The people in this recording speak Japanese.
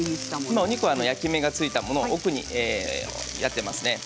今お肉は焼き目がついたものを奥にやってますね。